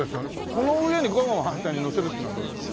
この上にご飯を反対にのせるっつうのはどうだろう？